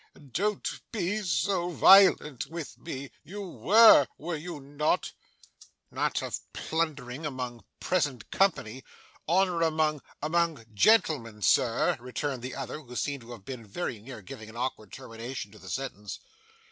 Don't be so violent with me. You were, were you not?' 'Not of plundering among present company! Honour among among gentlemen, Sir,' returned the other, who seemed to have been very near giving an awkward termination to the sentence.